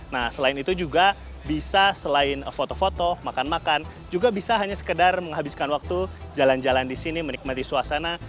nah selain itu juga bisa selain foto foto makan makan juga bisa hanya sekedar menghabiskan waktu jalan jalan di sini menikmati suasana